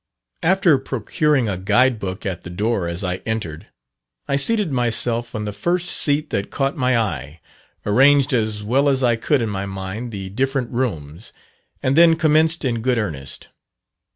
After procuring a guide book at the door as I entered, I seated myself on the first seat that caught my eye, arranged as well as I could in my mind the different rooms, and then commenced in good earnest.